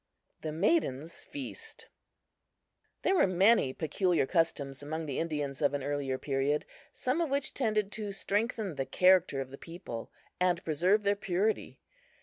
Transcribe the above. THE MAIDENS' FEAST THERE were many peculiar customs among the Indians of an earlier period, some of which tended to strengthen the character of the people and preserve their purity.